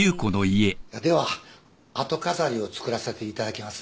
では後飾りを作らせていただきます。